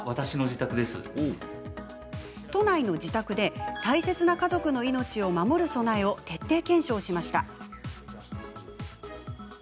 都内の自宅で、大切な家族の命を守る備えを徹底検証しました。